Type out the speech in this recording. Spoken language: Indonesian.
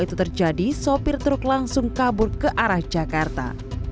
itu terjadi sopir truk langsung kabur ke arah jakarta